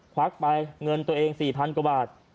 วักไปเงินตัวเอง๔๐๐กว่าบาท